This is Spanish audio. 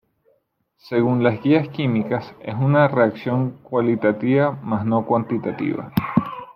Según las guías químicas es una reacción cualitativa, mas no cuantitativa.